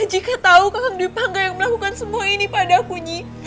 jika tahu kakang dewi pangga yang melakukan semua ini padaku nyi